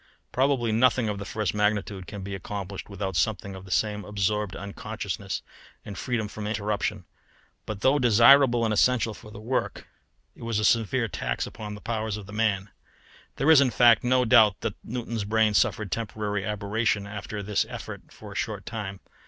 Probably nothing of the first magnitude can be accomplished without something of the same absorbed unconsciousness and freedom from interruption. But though desirable and essential for the work, it was a severe tax upon the powers of the man. There is, in fact, no doubt that Newton's brain suffered temporary aberration after this effort for a short time.